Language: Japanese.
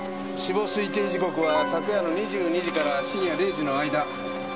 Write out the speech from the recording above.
死亡推定時刻は昨夜の２２時から深夜０時の間。